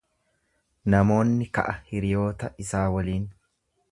Namoonni ka'a hiriyoota isaa waliin.